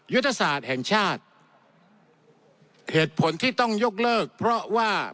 ยุทธศาสตร์แห่งชาติเหตุผลที่ต้องยกเลิกเพราะว่า